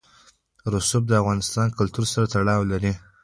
رسوب د افغان کلتور سره تړاو لري.